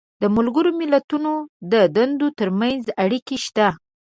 د ملګرو ملتونو د دندو تر منځ اړیکه شته.